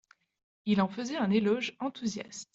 Il en faisait un éloge enthousiaste.